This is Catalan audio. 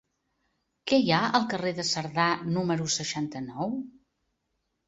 Què hi ha al carrer de Cerdà número seixanta-nou?